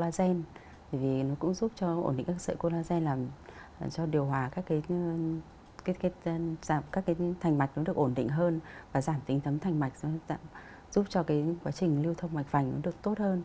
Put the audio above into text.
các cái sợi collagen vì nó cũng giúp cho ổn định các cái sợi collagen làm cho điều hòa các cái thành mạch nó được ổn định hơn và giảm tính tấm thành mạch giúp cho cái quá trình lưu thông mạch vành nó được tốt hơn